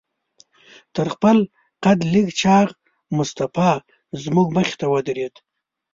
تر خپل قد لږ چاغ مصطفی زموږ مخې ته ودرېد.